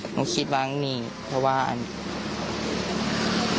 หนูคิดว่านี่เพราะว่าอันนี้